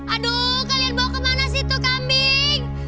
aduh kalian bawa kemana sih tuh kambing